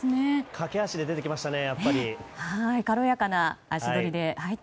駆け足で出てきましたね